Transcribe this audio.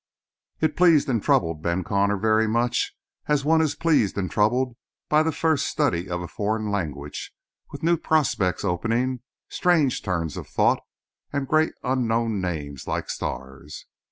It pleased and troubled Ben Connor very much as one is pleased and troubled by the first study of a foreign language, with new prospects opening, strange turns of thought, and great unknown names like stars.